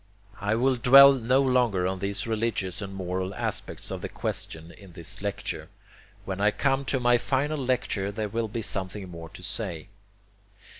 I will dwell no longer on these religious and moral aspects of the question in this lecture. When I come to my final lecture there will be something more to say.